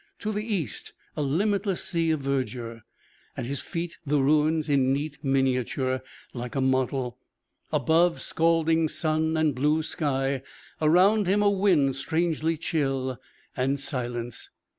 To the east a limitless sea of verdure. At his feet the ruins in neat miniature, like a model. Above, scalding sun and blue sky. Around him a wind, strangely chill. And silence.